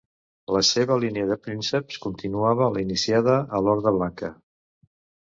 La seva línia de prínceps continuava la iniciada a l'Horda Blanca.